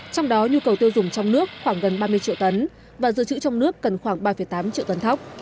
trong đó nhu cầu tiêu dùng trong nước khoảng gần ba mươi triệu tấn và dự trữ trong nước cần khoảng ba tám triệu tấn thóc